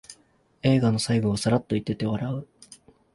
映画の最後をサラッと言ってて笑う